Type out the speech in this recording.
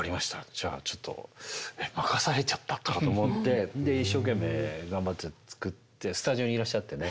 じゃあちょっとえっ任されちゃったとかと思ってで一生懸命頑張って作ってスタジオにいらっしゃってね。